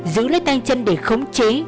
giữ lấy tay chân để khống chế